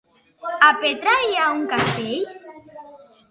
A Petra hi ha un castell?